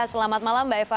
selamat malam mbak eva